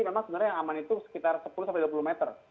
memang sebenarnya yang aman itu sekitar sepuluh sampai dua puluh meter